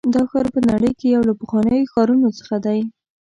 دا ښار په نړۍ کې یو له پخوانیو ښارونو څخه دی.